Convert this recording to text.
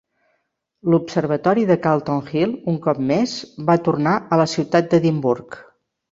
L'Observatori de Calton Hill, un cop més, va tornar a la ciutat d'Edimburg.